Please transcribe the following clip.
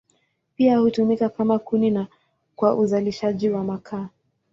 Pia hutumika kama kuni na kwa uzalishaji wa makaa.